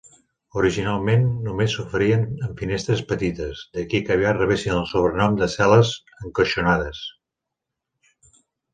Originalment, només s'oferien amb finestres petites, d'aquí que aviat rebessin el sobrenom de "cel·les encoixinades".